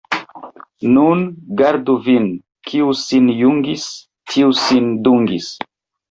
Nun gardu vin: kiu sin jungis, tiu sin dungis.